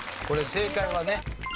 これ正解はね。